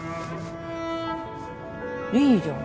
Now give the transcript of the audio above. いいじゃん。